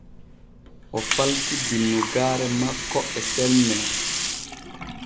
O falti binnugaare makko e semmee.